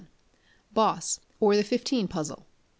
Boss; or the Fifteen Puzzle.